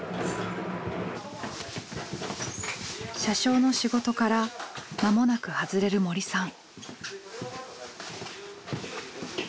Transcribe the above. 車掌の仕事から間もなく外れる森さん。